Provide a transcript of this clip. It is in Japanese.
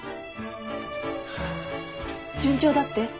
順調だって？